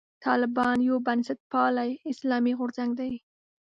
طالبان یو بنسټپالی اسلامي غورځنګ دی.